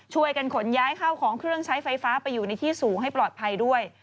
ช่วยกันขนย้ายเข้าของเครื่องใช้ไฟฟ้าไปอยู่ในที่สูงให้ปลอดภัยด้วย